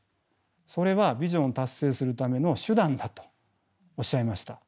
それはビジョンを達成するための手段だとおっしゃいました。